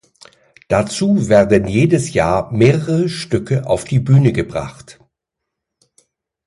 Dazu werden jedes Jahr mehrere Stücke auf die Bühne gebracht.